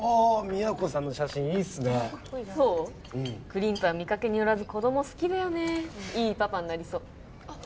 クリントは見かけによらず子供好きだよねいいパパになりそうあっ